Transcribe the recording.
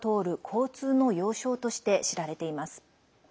交通の要衝として知られています。